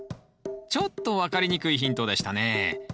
ちょっと分かりにくいヒントでしたね。